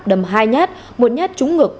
đâm hai nhát một nhát trúng ngực